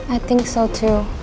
aku juga yakin